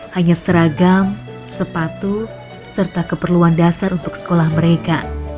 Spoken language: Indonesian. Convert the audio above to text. hanya seragam sepatu serta keperluan dasar untuk sekolah mereka